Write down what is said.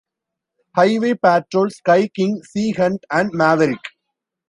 "Highway Patrol", "Sky King", "Sea Hunt", and "Maverick".